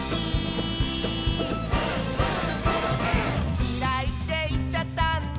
「きらいっていっちゃったんだ」